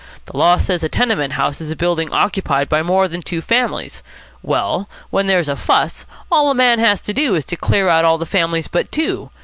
The law says a tenement house is a building occupied by more than two families. Well, when there's a fuss, all the man has to do is to clear out all the families but two.